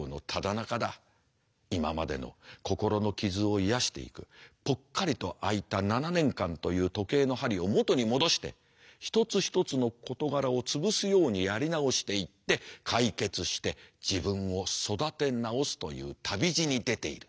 今までの心の傷を癒やしていくぽっかりと空いた７年間という時計の針を元に戻して一つ一つの事柄を潰すようにやり直していって解決して自分を育て直すという旅路に出ている。